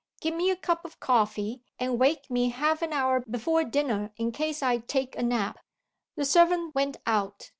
Get me a cup of coffee; and wake me half an hour before dinner, in case I take a nap." The servant went out.